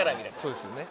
そうですよね。